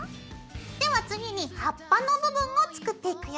では次に葉っぱの部分を作っていくよ。